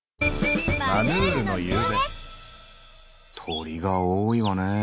鳥が多いわねえ。